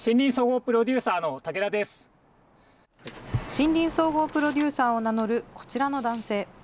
森林総合プロデューサーを名乗るこちらの男性。